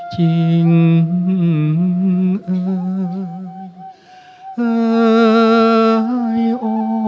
เสียงเพลงเอ้ย